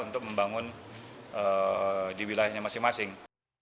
untuk membangun di wilayahnya masing masing